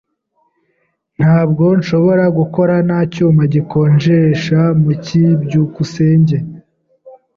Ntabwo nshobora gukora nta cyuma gikonjesha mu cyi. byukusenge